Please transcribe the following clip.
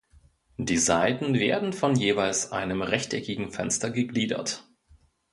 Die Seiten werden von jeweils einem rechteckigen Fenster gegliedert.